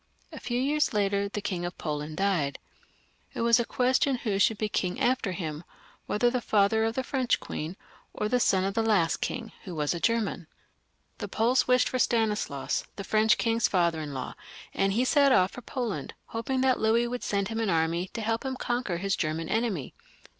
A few years later the King of Poland died. It was a question who should be king after him, whether the father of the French queen, or the son of the last king, who was a German. The Poles wished for Stanislaus, the French king's father in law, and he set off for Poland, hoping that Louis would send him an army to help him conquer his German enemy, but.